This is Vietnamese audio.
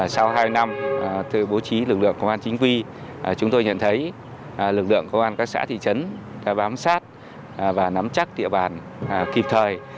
sau hai năm tự bố trí lực lượng công an chính quy chúng tôi nhận thấy lực lượng công an các xã thị trấn đã bám sát và nắm chắc địa bàn kịp thời